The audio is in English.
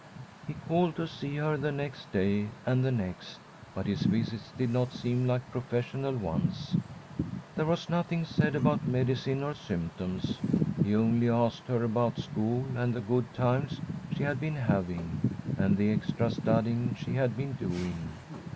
He called to see her the next day, and the next. But his visits did not seem like professional ones. There was nothing said about medicine or symptoms. He only asked her about school and the good times she had been having, and the extra studying she had been doing.